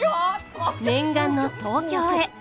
念願の東京へ。